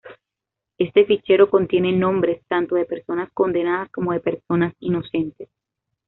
Este fichero contiene nombres tanto de personas condenadas como de personas inocentes.